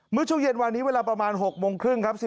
เมื่อช่วงเย็นวันนี้เวลาประมาณ๖โมงครึ่งครับ